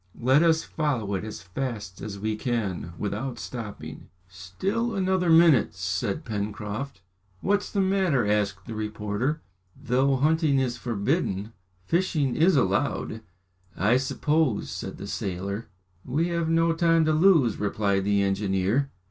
"Let us follow it as fast as we can without stopping." "Still another minute!" said Pencroft. "What's the matter?" asked the reporter. "Though hunting is forbidden, fishing is allowed, I suppose," said the sailor. "We have no time to lose," replied the engineer.